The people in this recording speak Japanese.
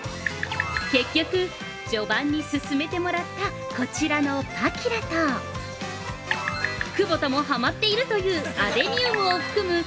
◆結局、序盤に勧めてもらったこちらのパキラと久保田もはまっているというアデニウムを含む